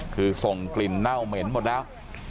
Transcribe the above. คือส่งกลิ่นเน่าเหม็นหมดแล้ว